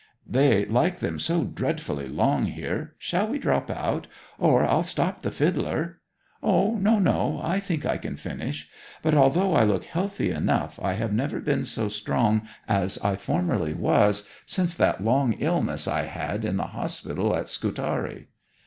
'They like them so dreadfully long here. Shall we drop out? Or I'll stop the fiddler.' 'O no, no, I think I can finish. But although I look healthy enough I have never been so strong as I formerly was, since that long illness I had in the hospital at Scutari.'